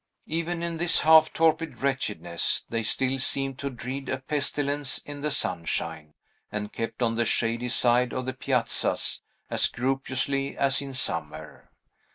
Even in this half torpid wretchedness, they still seemed to dread a pestilence in the sunshine, and kept on the shady side of the piazzas, as scrupulously as in summer.